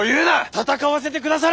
戦わせてくだされ！